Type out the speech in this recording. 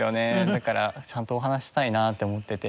だからちゃんとお話ししたいなって思ってて。